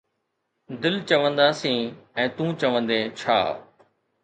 دل چونداسين، ۽ تون چوندين ڇا